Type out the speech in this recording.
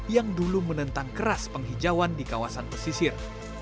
yang dulu menentang keras penghijauan di kawasan pesisir